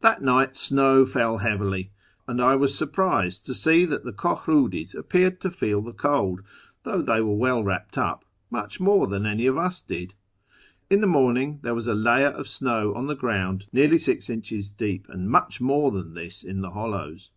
That night snow fell heavily, and I was surprised to see that the Kohriidis appeared to feel the cold (though they were well wrapped up) much more than any of us did. In the morning there was a layer of snow on the ground nearly six inches deep, and much more than this in the hollows.